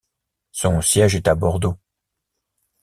Son siège est à Bordeaux.